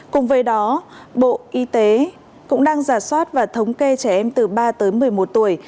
cùng với đó bộ y tế cũng đang giả soát và thống kê trẻ em từ ba tới một mươi một tuổi